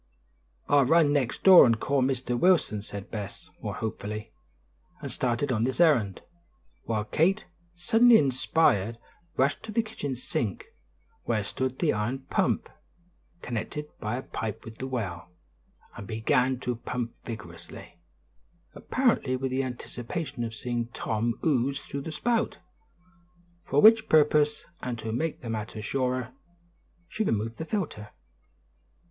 "I'll run next door and call Mr. Wilson," said Bess, more hopefully, and started on this errand, while Kate, suddenly inspired, rushed to the kitchen sink, where stood the iron pump, connected by a pipe with the well, and began to pump vigorously, apparently with the anticipation of seeing Tom ooze through the spout, for which purpose, and to make the matter surer, she removed the filter.